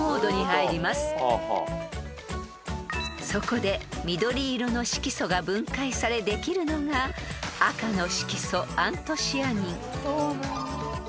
［そこで緑色の色素が分解されできるのが赤の色素アントシアニン］